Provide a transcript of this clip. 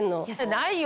ないよ